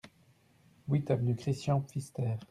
huit avenue Christian Pfister